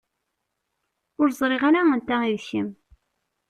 Ur ẓriɣ ara anta i d kemm.